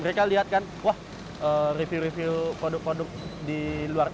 mereka lihat kan wah review review produk produk di luar